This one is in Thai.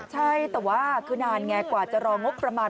ใช่แต่ว่าคือนานไงกว่าจะรองบประมาณ